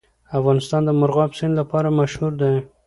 افغانستان د مورغاب سیند لپاره مشهور دی.